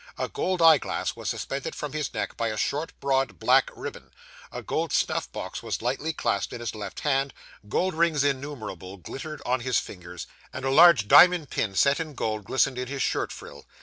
A gold eye glass was suspended from his neck by a short, broad, black ribbon; a gold snuff box was lightly clasped in his left hand; gold rings innumerable glittered on his fingers; and a large diamond pin set in gold glistened in his shirt frill.